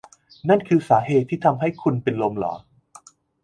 นั่นคือสาเหตุที่ทำให้คุณเป็นลมเหรอ